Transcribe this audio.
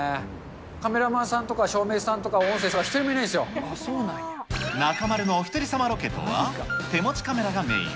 カメラマンさんとか照明さんとか音声さん、中丸のおひとり様ロケとは、手持ちカメラがメイン。